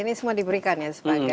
ini semua diberikan ya sebagai